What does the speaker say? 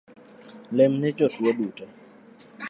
Lemne jotuo duto